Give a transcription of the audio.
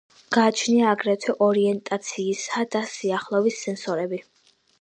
გააჩნია აგრეთვე ორიენტაციისა და სიახლოვის სენსორები.